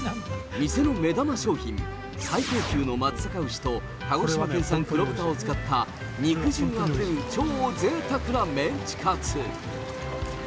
店の目玉商品、最高級の松坂牛と鹿児島県産黒豚を使った、肉汁あふれる超ぜいたくなメンチカツ。